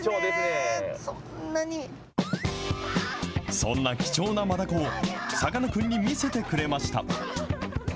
そんな貴重なマダコを、さかなクンに見せてくれました。